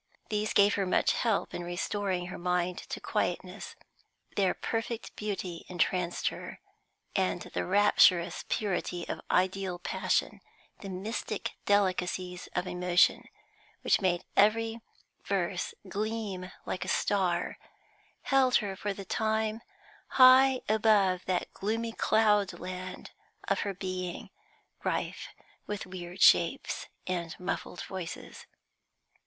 These gave her much help in restoring her mind to quietness. Their perfect beauty entranced her, and the rapturous purity of ideal passion, the mystic delicacies of emotion, which made every verse gleam like a star, held her for the time high above that gloomy cloudland of her being, rife with weird shapes and muffled voices.